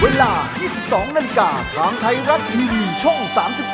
เวลา๒๒นาฬิกาทางไทยรัฐทีวีช่อง๓๒